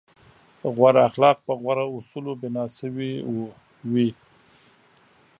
غوره اخلاق په غوره اصولو بنا شوي وي.